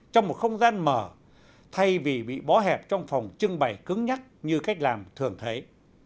trong một không gian mở thay vì bị bó hẹp trong phòng trưng bày cứng nhắc như cách làm thường thấy